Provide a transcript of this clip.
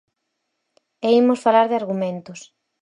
E imos falar de argumentos.